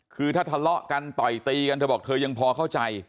คือถ้าทะเลาะกันต่อยตีกันเธอบอกเธอยังพอเข้าใจ